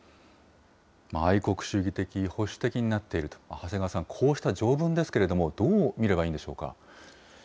愛国主義的、保守的になっているという、こうした条文ですけれども、どう見ればいいんでしょうか。